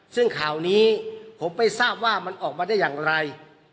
ซึ่งข่าวนี้ผมไม่ทราบว่ามันออกมาได้อย่างไร